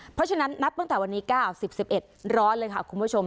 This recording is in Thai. เพราะฉะนั้นนับตั้งแต่วันนี้๙๐๑๑ร้อนเลยค่ะคุณผู้ชม